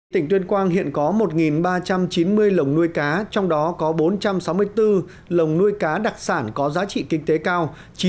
tỉnh tuyên quang hiện có một ba trăm chín mươi lồng nuôi cá trong đó có bốn trăm sáu mươi bốn lồng nuôi cá đặc sản có giá trị kinh tế cao